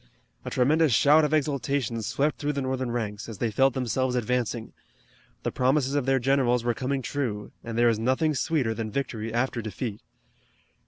A tremendous shout of exultation swept through the Northern ranks, as they felt themselves advancing. The promises of their generals were coming true, and there is nothing sweeter than victory after defeat.